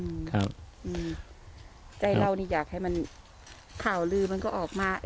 อืมใจเรานี่อยากให้มันข่าวลือมันก็ออกมา